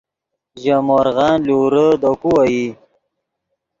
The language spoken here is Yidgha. ژے مورغن لورے دے کو اوئی